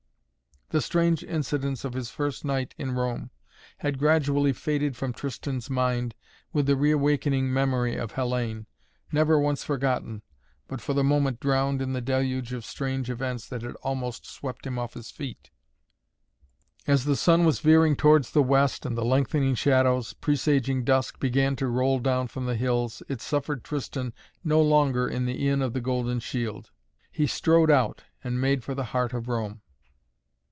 The strange incidents of his first night in Rome had gradually faded from Tristan's mind with the re awakening memory of Hellayne, never once forgotten, but for the moment drowned in the deluge of strange events that had almost swept him off his feet. As the sun was veering towards the west and the lengthening shadows, presaging dusk, began to roll down from the hills it suffered Tristan no longer in the Inn of the Golden Shield. He strode out and made for the heart of Rome.